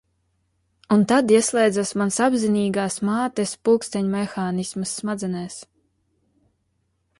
Un tad ieslēdzas mans apzinīgās mātes pulksteņmehānisms smadzenēs.